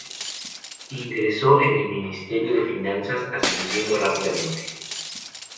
Ingresó en el Ministerio de Finanzas, ascendiendo rápidamente.